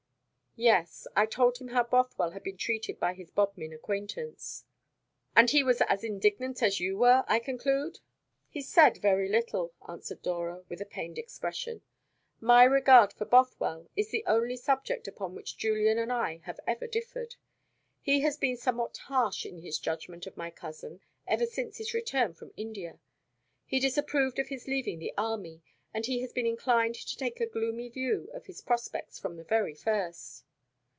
"Yes, I told him how Bothwell had been treated by his Bodmin acquaintance." "And he was as indignant as you were, I conclude?" "He said very little," answered Dora, with a pained expression. "My regard for Bothwell is the only subject upon which Julian and I have ever differed. He has been somewhat harsh in his judgment of my cousin ever since his return from India. He disapproved of his leaving the army, and he has been inclined to take a gloomy view of his prospects from the very first."